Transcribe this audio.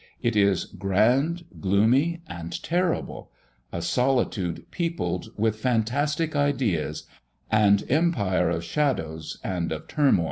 It is grand, gloomy, and terrible; a solitude peopled with fantastic ideas; and empire of shadows and of turmoil."